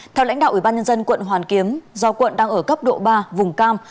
theo lãnh đạo ủy ban nhân dân quận hoàn kiếm do quận đang ở cấp độ ba vùng cam